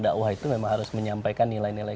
dakwah itu memang harus menyampaikan nilai nilai